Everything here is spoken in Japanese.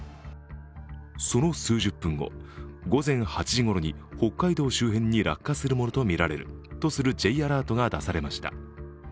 その数十分後、午前８時ごろに北海道周辺に落下するものとみられるとするＪアラートが出されました。